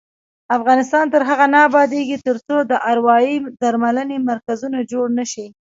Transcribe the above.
افغانستان تر هغو نه ابادیږي، ترڅو د اروايي درملنې مرکزونه جوړ نشي.